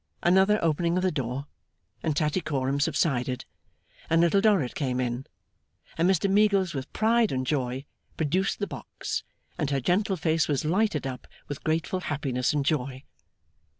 Another opening of the door, and Tattycoram subsided, and Little Dorrit came in, and Mr Meagles with pride and joy produced the box, and her gentle face was lighted up with grateful happiness and joy.